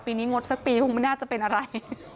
ปีนี้งดสักปีคงไม่น่าจะเป็นอะไร